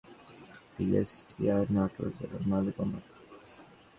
অভিযান পরিচালনার সময় আদালতকে সহযোগিতা করেন বিএসটিআইর নাটোর জেলার মাঠ কর্মকর্তা রকিবুল হাসান।